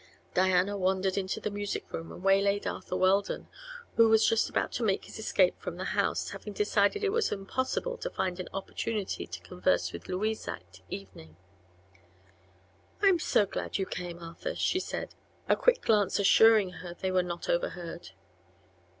Diana wandered to the music room and waylaid Arthur Weldon, who was just about to make his escape from the house, having decided it was impossible to find an opportunity to converse with Louise that evening. "I'm so glad you came, Arthur," she said, a quick glance assuring her they were not overheard.